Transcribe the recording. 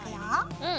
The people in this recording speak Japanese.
うん。